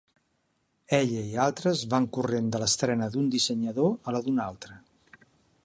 Ella i altres van corrents de l'estrena d'un dissenyador a la d'un altre.